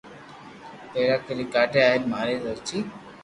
ڀيرا ڪري ڪاڌيا ھين ماري زرچي